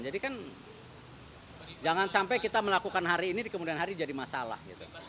jadi kan jangan sampai kita melakukan hari ini kemudian hari jadi masalah